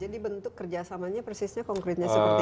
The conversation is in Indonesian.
jadi bentuk kerjasamanya persisnya konkretnya seperti apa